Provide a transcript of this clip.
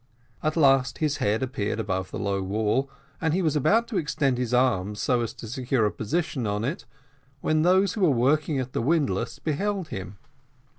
At last his head appeared above the low wall, and he was about to extend his arms so as to secure a position on it, when those who were working at the windlass beheld him.